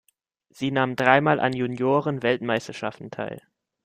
Sie nahm dreimal an Juniorenweltmeisterschaften teil.